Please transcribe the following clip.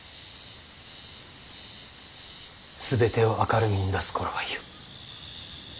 全てを明るみに出す頃合いよ。